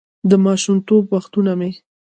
«د ماشومتوب وختونه مې: